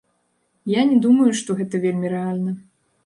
Я не думаю, што гэта вельмі рэальна.